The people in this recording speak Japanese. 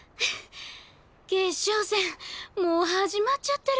決勝戦もう始まっちゃってる